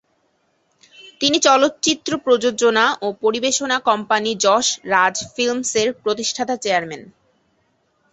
তিনি চলচ্চিত্র প্রযোজনা ও পরিবেশনা কোম্পানি যশ রাজ ফিল্মসের প্রতিষ্ঠাতা চেয়ারম্যান।